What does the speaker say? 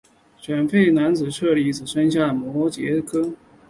吠舍男子与刹帝利女子所生下的后代叫做摩偈闼。